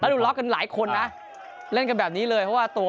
แล้วดูรักกันหลายคนนะเล่นกันแบบนี้เลยเพราะว่าตัวดีครับ